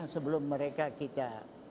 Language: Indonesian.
sebelum mereka kita tugaskan